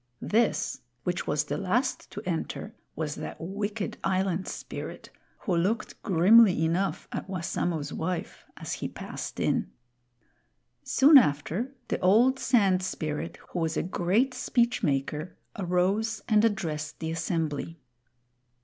This, which was the last to enter, was that wicked Island Spirit, who looked grimly enough at Wassamo's wife as he passed in. Soon after, the old Sand Spirit, who was a great speech maker, arose and addressed the assembly.